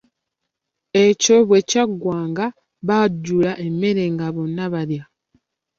Ekyo bwe kyaggwanga nga bajjula emmere nga bonna balya.